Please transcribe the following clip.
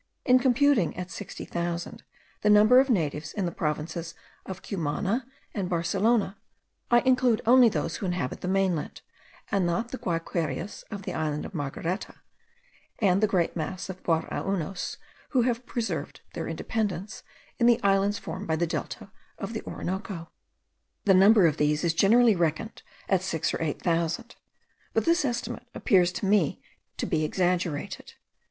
In computing at sixty thousand the number of natives in the provinces of Cumana and Barcelona, I include only those who inhabit the mainland, and not the Guayquerias of the island of Margareta, and the great mass of the Guaraunos, who have preserved their independence in the islands formed by the Delta of the Orinoco. The number of these is generally reckoned at six or eight thousand; but this estimate appears to me to be exaggerated.